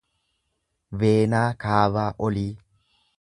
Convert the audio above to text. veenaa kaavaa olii